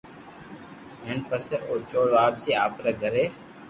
ھين پسي او چور واپسي آپري گھري